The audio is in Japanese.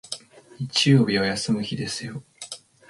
日曜日は休む日ですよ